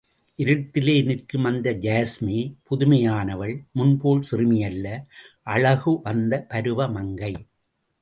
இருட்டிலே நிற்கும் அந்த யாஸ்மி, புதுமையானவள், முன்போல் சிறுமியல்ல, அழகுவந்த பருவமங்கை.